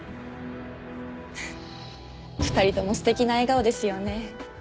２人とも素敵な笑顔ですよね。